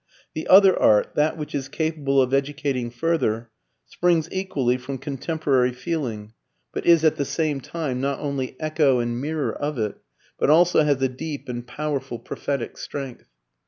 The other art, that which is capable of educating further, springs equally from contemporary feeling, but is at the same time not only echo and mirror of it, but also has a deep and powerful prophetic strength.